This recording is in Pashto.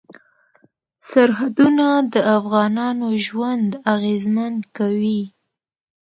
سرحدونه د افغانانو ژوند اغېزمن کوي.